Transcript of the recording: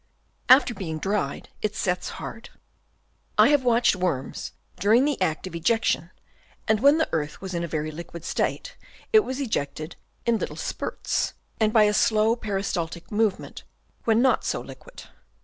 After being dried it sets hard. I have watched worms during the act of ejection^ and when the earth was in a very liquid state it was ejected in little spurts, and by a slow peri staltic movement when not so liquid.